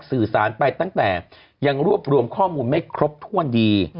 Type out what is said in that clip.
สื่อสารไปตั้งแต่ยังรวบรวมข้อมูลไม่ครบถ้วนดี